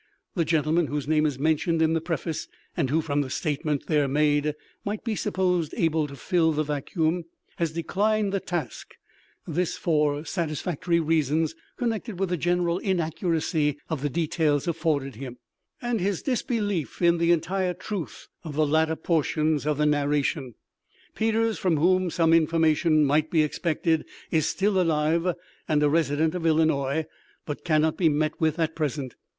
The gentleman whose name is mentioned in the preface, and who, from the statement there made, might be supposed able to fill the vacuum, has declined the task—this, for satisfactory reasons connected with the general inaccuracy of the details afforded him, and his disbelief in the entire truth of the latter portions of the narration. Peters, from whom some information might be expected, is still alive, and a resident of Illinois, but cannot be met with at present.